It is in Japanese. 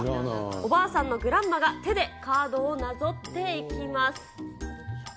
お婆さんのグランマが、手でカードをなぞっていきます。